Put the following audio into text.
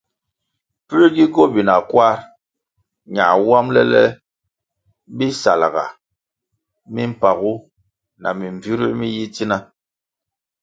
Pue gi gobina kwarʼ na wambʼle le bisalʼga mimpagu na mimbvire mi yi tsina?